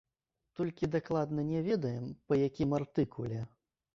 Толькі дакладна не ведаем, па якім артыкуле.